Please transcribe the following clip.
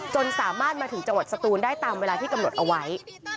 จนสามารถมาถึงจังหวัดสตูนได้ตามเวลาที่กำหนดเอาไว้